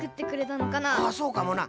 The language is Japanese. あそうかもな。